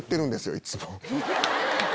いつも。